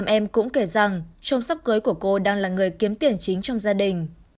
em cũng kể rằng trong sắp cưới của cô đang là người kiếm tiền chính trong gia đình